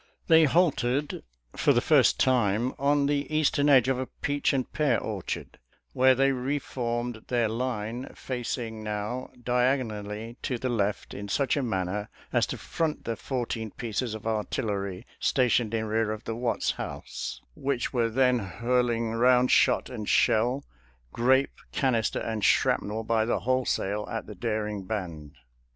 They halted, for the first time, on the eastern edge of a peach and pear orchard, where they reformed their line, facing, now, diagonally to the left in such a manner as to front the fourteen pieces of ar tillery stationed in rear of the Watts house, which were then hurling round shot and shell, grape, canister and shrapnel by the wholesale at the daring band.